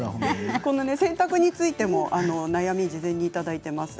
洗濯についても悩みを事前にいただいています。